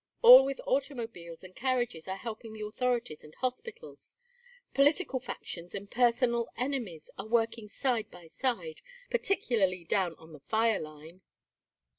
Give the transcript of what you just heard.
All with automobiles and carriages are helping the authorities and hospitals. Political factions and personal enemies are working side by side, particularly down on the fire line.